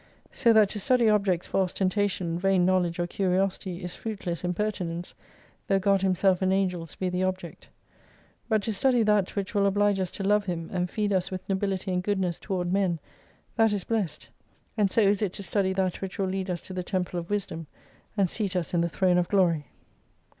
So that to study objects for ostentation, vain knowledge or curiosity is fruitless impertinence, tho' God Himself and Angels be the object. But to study that which will oblige us to love Him, and feed us with nobility and goodness toward men, that is blessed. And so is it to study that which will lead us to the Temple of Wisdom, and seat us in the Throne of Glory.